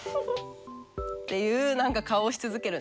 っていう何か顔をし続けるの。